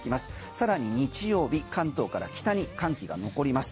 更に日曜日関東から北に寒気が残ります。